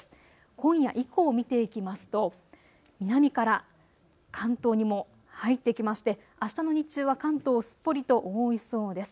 今夜以降見ていきますと南から関東にも入ってきましてあしたの日中は関東をすっぽりと覆いそうです。